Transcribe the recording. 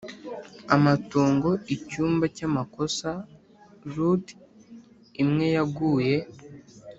amatongo, icyumba cyamakosa, rood imwe yaguye